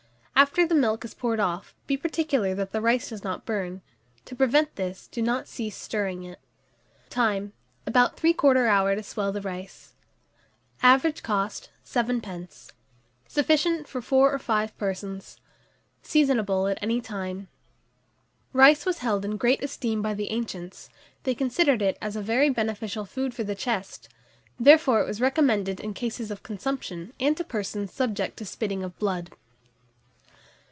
After the milk is poured off, be particular that the rice does not burn: to prevent this, do not cease stirring it. Time. About 3/4 hour to swell the rice. Average cost, 7d. Sufficient for 4 or 5 persons. Seasonable at any time. RICE was held in great esteem by the ancients: they considered it as a very beneficial food for the chest; therefore it was recommended in cases of consumption, and to persons subject to spitting of blood.